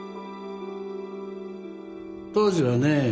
当時はね